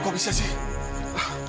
kok bisa sih